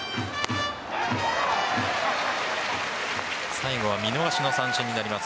最後は見逃しの三振になります。